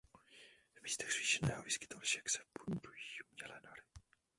V místech zvýšeného výskytu lišek se budují umělé nory.